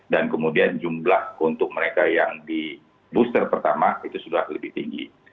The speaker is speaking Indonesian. dan kemudian jumlah untuk mereka yang di booster pertama itu sudah lebih tinggi